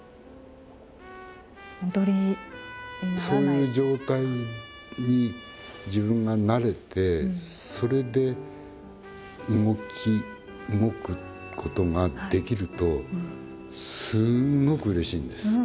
そういう状態に自分がなれてそれで動くことができるとすんごくうれしいんです。